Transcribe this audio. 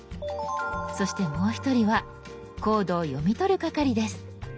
そしてもう一人はコードを読み取る係です。